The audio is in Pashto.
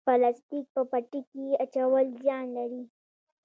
پلاستیک په پټي کې اچول زیان لري؟